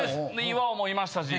岩尾もいましたし。